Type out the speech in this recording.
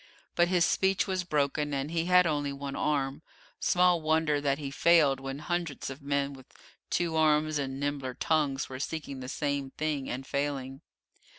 But his speech was broken, and he had only one arm small wonder that he failed when hundreds of men with two arms and nimbler tongues were seeking the same thing and failing.